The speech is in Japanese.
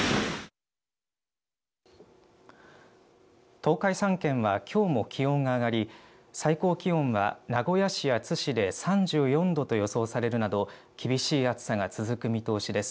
東海３県はきょうも気温が上がり最高気温は名古屋市や津市で３４度と予想されるなど厳しい暑さが続く見通しです。